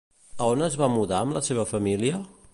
A on es va mudar amb la seva família?